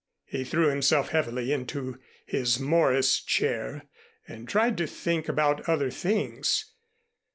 He threw himself heavily into his Morris chair and tried to think about other things.